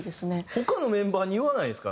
他のメンバーに言わないんですか？